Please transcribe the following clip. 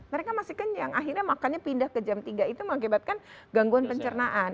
mereka masih kenyang akhirnya makannya pindah ke jam tiga itu mengakibatkan gangguan pencernaan